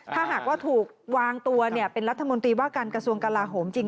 ถ้าหากว่าถูกวางตัวเป็นรัฐมนตรีว่าการกระทรวงกลาโหมจริง